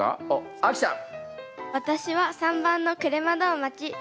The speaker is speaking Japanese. あきちゃん！